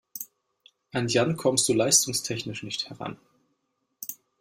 An Jan kommst du leistungstechnisch nicht heran.